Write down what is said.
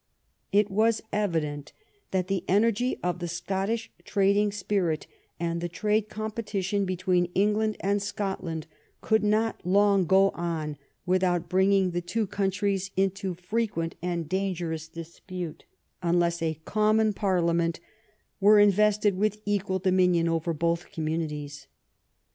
It was evident that the energy of the Scottish trad ing spirit and the trade competition between England and Scotland could not long go on without bringing the two countries into frequent and dangerous dis pute, unless a common Parliament were invested with equal dominion over both communities.